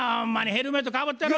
ヘルメットかぶってる。